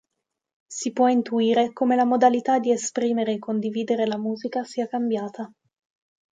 Si può intuire come la modalità di esprimere e condividere la musica sia cambiata.